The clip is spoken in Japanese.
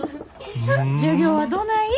授業はどない？